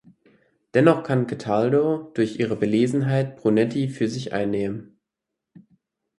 Dennoch kann Cataldo durch ihre Belesenheit Brunetti für sich einnehmen.